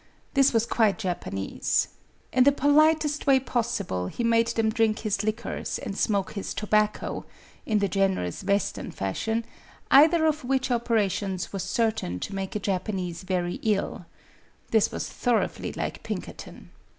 This was quite Japanese. In the politest way possible he made them drink his liquors and smoke his tobacco (in the generous Western fash ion), either of which operations was certain to make a Japanese very ill. This was thor oughly like Pinkerton.